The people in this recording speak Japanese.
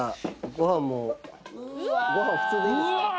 ご飯もご飯普通でいいですか？